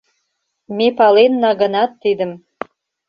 Ме паленна гынат тидым